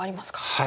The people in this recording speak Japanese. はい。